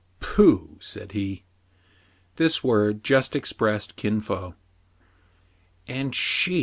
" Pooh !" said he. This word just expressed Kin Fo. " And she